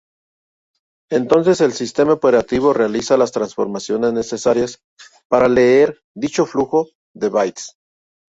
Entonces el sistema operativo realiza las transformaciones necesarias para leer dicho flujo de bytes.